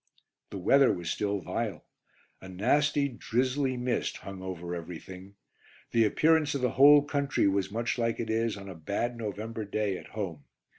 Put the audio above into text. The weather was still vile. A nasty, drizzly mist hung over everything. The appearance of the whole country was much like it is on a bad November day at home.